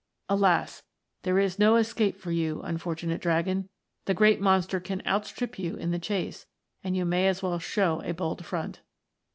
Alas ! there is no escape for you, unfortunate Dragon ! The great monster can outstrip you in the chase, and you may as well show a bold front.